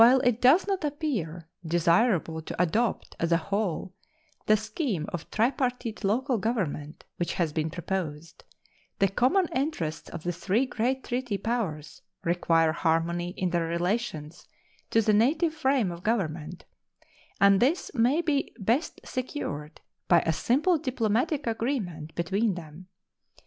While it does not appear desirable to adopt as a whole the scheme of tripartite local government which has been proposed, the common interests of the three great treaty powers require harmony in their relations to the native frame of government, and this may be best secured by a simple diplomatic agreement between them.